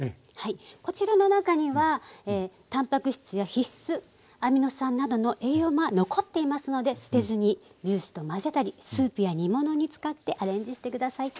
こちらの中にはタンパク質や必須アミノ酸などの栄養が残っていますので捨てずにジュースと混ぜたりスープや煮物に使ってアレンジして下さい。